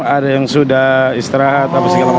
ada yang sudah istirahat